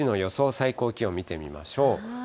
最高気温、見てみましょう。